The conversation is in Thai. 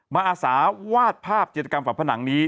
อาสาวาดภาพจิตกรรมฝาผนังนี้